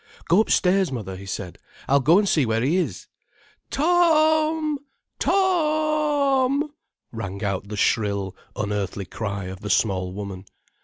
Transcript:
"Go upstairs, mother," he said; "I'll go an' see where he is." "To—om! To—o—om!" rang out the shrill, unearthly cry of the small woman.